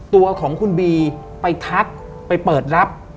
ตัวของคุณบีไปทักไปเปิดรับ